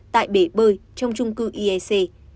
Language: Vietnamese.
tại bể bơi trong trung cư iec